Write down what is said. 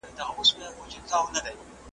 تر دې ډنډه یو کشپ وو هم راغلی .